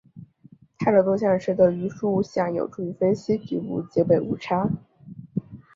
泰勒多项式的余数项有助于分析局部截尾误差。